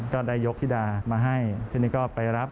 ได้ยกธิดามาให้ทีนี้ก็ไปรับ